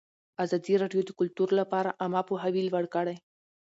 ازادي راډیو د کلتور لپاره عامه پوهاوي لوړ کړی.